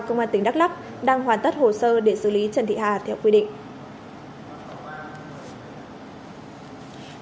công an tỉnh đắk lắc đang hoàn tất hồ sơ để xử lý trần thị hà theo quy định